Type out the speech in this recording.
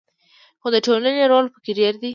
خو د ټولنې رول پکې ډیر دی.